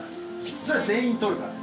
それは全員撮るからね。